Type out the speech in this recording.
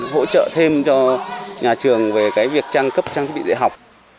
hỗ trợ thêm cho nhà trường về việc trang cấp trang thiết bị dạy học